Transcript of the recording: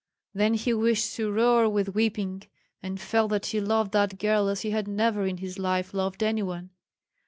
Then he wished to roar with weeping, and felt that he loved that girl as he had never in his life loved any one.